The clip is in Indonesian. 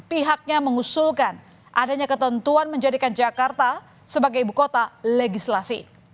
pihaknya mengusulkan adanya ketentuan menjadikan jakarta sebagai ibu kota legislasi